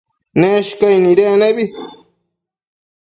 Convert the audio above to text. Neshcaic nidec nebi